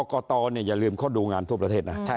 กตอย่าลืมเขาดูงานทั่วประเทศนะ